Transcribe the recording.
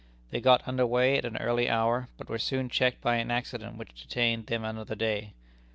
They got under weigh at an early hour, but were soon checked by an accident which detained them another day.